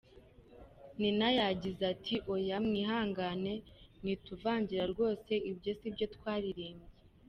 Nina yagize ati “Oya, mwihangane mwituvangira rwose, ibyo sibyo twaririmbye.